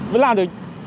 với làm được